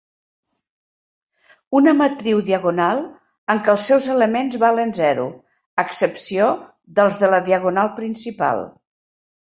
Una "matriu diagonal" en què els seus elements valen zero, a excepció dels de la diagonal principal.